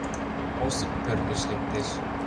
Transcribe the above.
Осып пӧрт гыч лектеш.